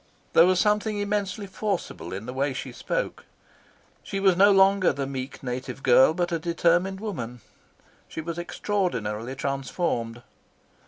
There was something immensely forcible in the way she spoke. She was no longer the meek, soft native girl, but a determined woman. She was extraordinarily transformed.